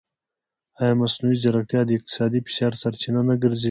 ایا مصنوعي ځیرکتیا د اقتصادي فشار سرچینه نه ګرځي؟